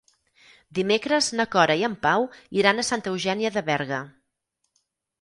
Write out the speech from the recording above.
Dimecres na Cora i en Pau iran a Santa Eugènia de Berga.